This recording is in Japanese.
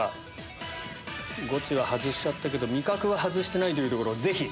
ゴチは外しちゃったけど味覚は外してないというところをぜひ！